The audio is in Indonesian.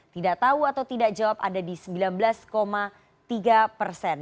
tidak tahu atau tidak jawab ada di sembilan belas tiga persen